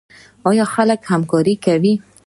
آیا خلک همکاري کوي؟